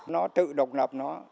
nó tự độc lập nó